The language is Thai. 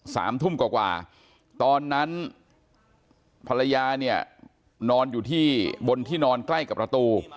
สามทุ่มกว่ากว่าตอนนั้นภรรยาเนี่ยนอนอยู่ที่บนที่นอนใกล้กับประตู